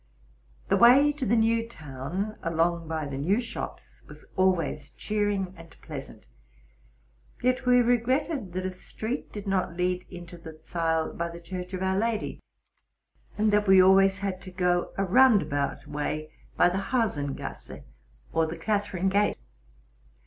Phe way to the New Town, along by the new shops, was always cheering and pleasant; yet we regretted that a street did not lead into the Zeil by the Chureh of Our Lady, and that we always had to go a roundabout way by the Huasengasse or the Catherine Gate.